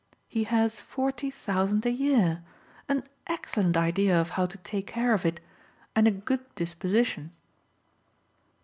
He has forty thousand a year, an excellent idea of how to take care of it and a good disposition."